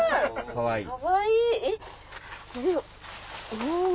かわいい。